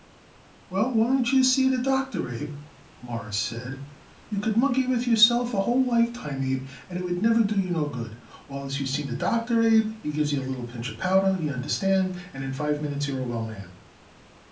"Well, why don't you seen it a doctor, Abe?" Morris said. "You could monkey with yourself a whole lifetime, Abe, and it would never do you no good; whilst if you seen it a doctor, Abe, he gives you a little pinch of powder, y'understand, and in five minutes you are a well man."